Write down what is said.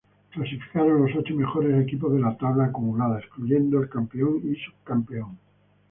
Clasificaron los ocho mejores equipos de la tabla acumulada, excluyendo al campeón y subcampeón.